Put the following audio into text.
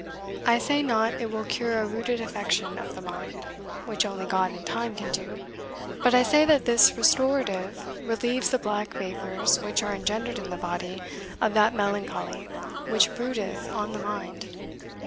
I say not it will cure a rooted affection of the mind, which only God and time can do; but I say that this restorative relieves the black vapours which are engendered in the body of that melancholy which broodeth on the mind.